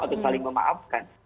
atau saling memaafkan